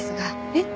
えっ？